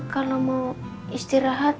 kalau mau istirahat